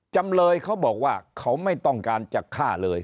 จำเลยเขาบอกว่าเขาไม่ต้องการจะฆ่าเลย